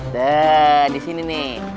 dah disini nih